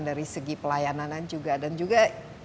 dari segi pelayanan juga dan juga